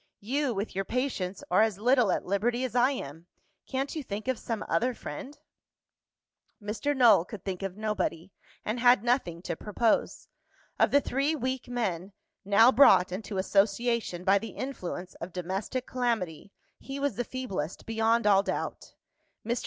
You, with your patients, are as little at liberty as I am. Can't you think of some other friend?" Mr. Null could think of nobody, and had nothing to propose. Of the three weak men, now brought into association by the influence of domestic calamity, he was the feeblest, beyond all doubt. Mr.